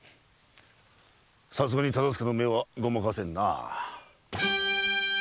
さすがに忠相の目はごまかせんな。